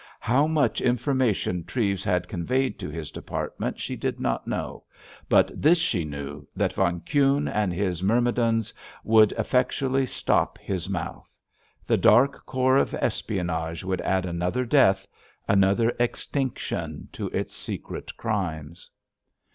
How much information Treves had conveyed to his department she did not know; but this she knew, that von Kuhne and his myrmidons would effectually stop his mouth. The dark corps of espionage would add another death, another extinction to its secret crimes.